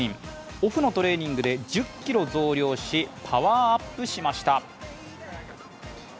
オフのトレーニングで１０ｋｇ増量しパワーアップしました。